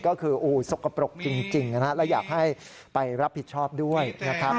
ก็คือสกปรกจริงนะฮะและอยากให้ไปรับผิดชอบด้วยนะครับ